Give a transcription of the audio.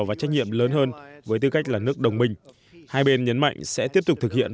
và trách nhiệm lớn hơn với tư cách là nước đồng minh hai bên nhấn mạnh sẽ tiếp tục thực hiện